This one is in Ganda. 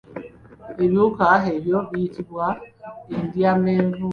Ebiwuka ebyo biyitibwa endyamenvu.